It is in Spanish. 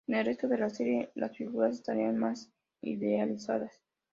En el resto de la serie las figuras estarán más idealizadas.